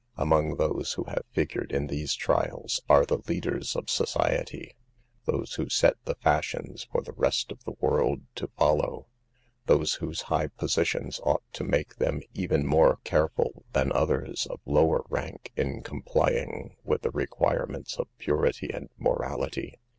Among those who have figured in these trials are the leaders in society; those who set the fashions for the rest of the world to follow ; those whose high positions ought to make them even more careful than others of lower rank in complying with the requirements SOCIETY BUYING A SLAVE. 225 of purity and morality.